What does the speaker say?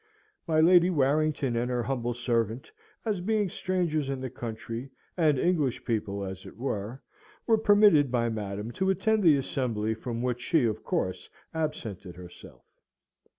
My Lady Warrington and her humble servant, as being strangers in the country, and English people as it were, were permitted by Madam to attend the assembly from which she of course absented herself.